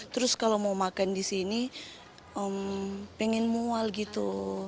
terus kalau mau makan di sini pengen mual gitu